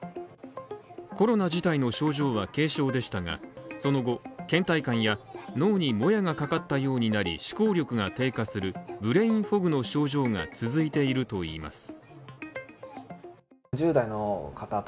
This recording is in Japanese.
コロナ自体の症状は軽症でしたがその後、けん怠感や脳にもやがかかったようになり思考力が低下するブレインフォグの症状が続いているといいます。